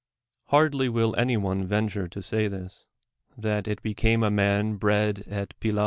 Hardly will any one viMitiire to say this — that it became a man i)tv,l ;it l^>lla.